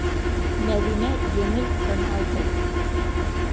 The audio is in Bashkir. Мәҙинә еңел тын алды.